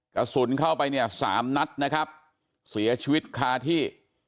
กระสุนเข้าไปเนี่ยสามนัดนะครับเสียชีวิตคาที่